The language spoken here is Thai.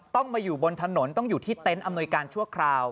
ต้องมาอยู่บนถนนต้องอยู่ที่เต็นต์อำนวยการชั่วคราว